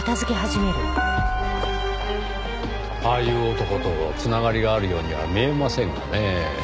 ああいう男と繋がりがあるようには見えませんがねぇ。